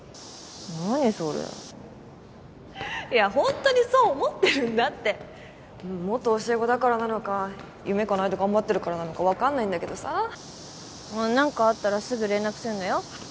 何それいやホントにそう思ってるんだって元教え子だからなのか夢かなえて頑張ってるからなのか分かんないんだけどさ何かあったらすぐ連絡するんだよ